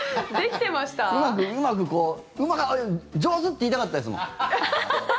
うまくこう上手！って言いたかったですもん。